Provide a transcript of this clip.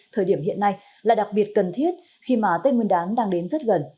thời điểm hiện nay là đặc biệt cần thiết khi mà tết nguyên đán đang đến rất gần